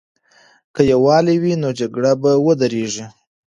که یووالی وي، نو جګړه به ودریږي.